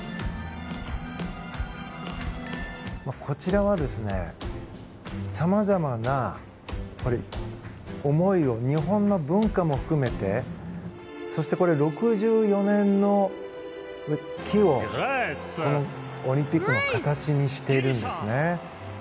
こちらは、さまざまな思いを日本の文化も含めてそして、これ６４年の木をオリンピックの形にしているんですね。